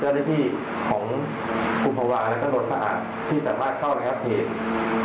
เจ้าหน้าที่ของกุมภาวะแล้วก็โดนสะอาดที่สามารถเข้าแอปเพจ